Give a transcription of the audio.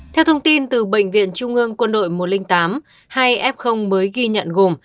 theo thông tin từ bệnh viện trung ương quân đội một trăm linh tám hai f mới ghi nhận gồm